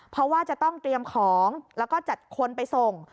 เพราะว่าจะต้องเตรียมของแล้วก็จัดคนไปส่ง